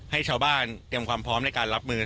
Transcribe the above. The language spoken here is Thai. ให้ชาวบ้านเตรียมความพร้อมในการรับมือ